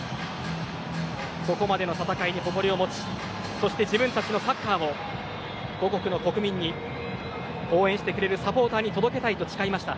ここまでの戦いに誇りを持ちそして自分たちのサッカーを母国の国民に応援してくれるサポーターに届けたいと誓いました。